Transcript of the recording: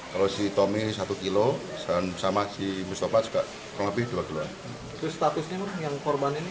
kalau si tommy satu km sama si mustafa kurang lebih dua km